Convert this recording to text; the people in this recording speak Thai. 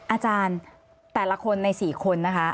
อาจารย์แต่ละคนใน๔คนนะคะ